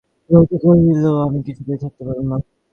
ললিতা কহিল, আমি কলকাতায় যাব– আমি কিছুতেই থাকতে পারলুম না।